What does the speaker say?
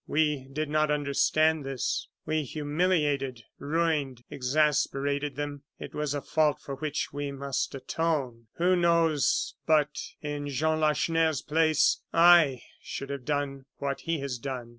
We did not understand this; we humiliated, ruined, exasperated them. It was a fault for which we must atone. Who knows but, in Jean Lacheneur's place, I should have done what he has done?"